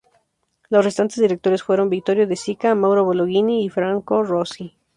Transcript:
Los restantes directores fueron: Vittorio de Sica, Mauro Bolognini y Franco Rossi.